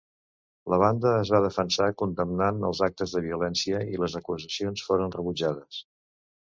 La banda es va defensar condemnant els actes de violència i les acusacions foren rebutjades.